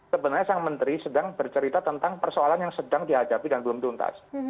sebenarnya sang menteri sedang bercerita tentang persoalan yang sedang dihadapi dan belum tuntas